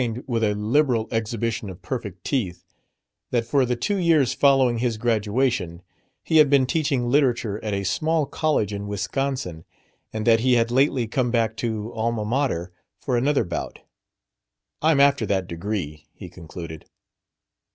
And he explained, with a liberal exhibition of perfect teeth, that for the two years following his graduation he had been teaching literature at a small college in Wisconsin and that he had lately come back to Alma Mater for another bout: "I'm after that degree," he concluded.